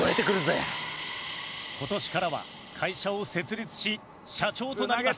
今年からは会社を設立し社長となります。